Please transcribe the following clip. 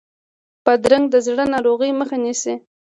بادرنګ د زړه ناروغیو مخه نیسي.